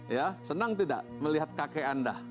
ya senang tidak melihat kakek anda